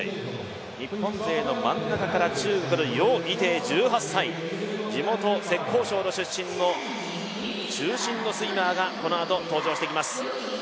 日本勢の真ん中から中国の余依テイ、１８歳、地元、浙江省の出身の中心のスイマーがこのあと登場してきます。